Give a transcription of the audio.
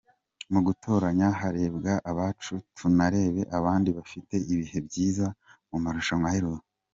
Mu gutoranya harebwe abacu tunareba abandi bafite ibihe byiza mu marushanwa aheruka.